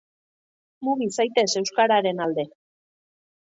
Mugi zaitez euskararen alde